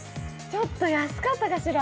ちょっと安かったかしら。